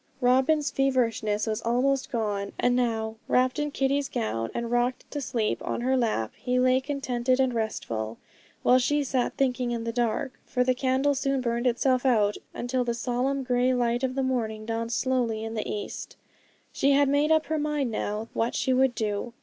Robin's feverishness was almost gone; and now, wrapped in Kitty's gown and rocked to sleep on her lap, he lay contented and restful, while she sat thinking in the dark, for the candle soon burned itself out, until the solemn grey light of the morning dawned slowly in the east. She had made up her mind now what she would do.